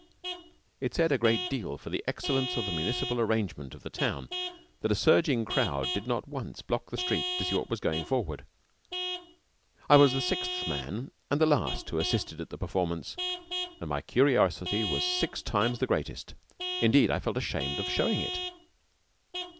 It said a great deal for the excellence of the municipal arrangement of the town that a surging crowd did not at once block the street to see what was going forward. I was the sixth man and the last who assisted at the performance, and my curiosity was six times the greatest. Indeed, I felt ashamed of showing it.